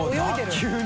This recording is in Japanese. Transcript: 急に。